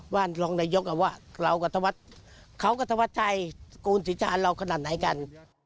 ว่ารองนายกก็ว่าเขาก็ถวัดใจกูลสิจารณ์เราขนาดไหนกัน